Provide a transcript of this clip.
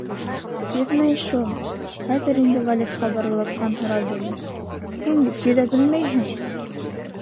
«...Йөҙмәй шул...», —хәҙер инде Валетҡа боролоп, Хан һорау бирҙе: —һин бит йөҙә белмәйһең?